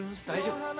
大丈夫？